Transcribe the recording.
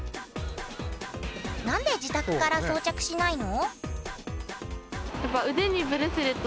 何で自宅から装着しないの？